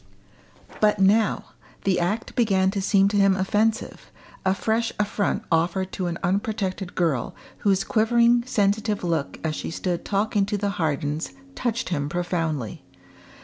But now the act began to seem to him offensive, a fresh affront offered to an unprotected girl, whose quivering sensitive look as she stood talking to the Hardens touched him profoundly.